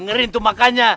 ngerin tuh makanya